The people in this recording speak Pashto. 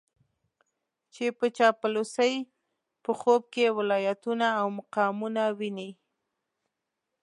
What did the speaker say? چې په چاپلوسۍ په خوب کې ولايتونه او مقامونه ويني.